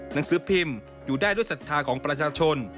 หนังสือพิมพ์อยู่ได้ด้วยศรัทธาของประชาชน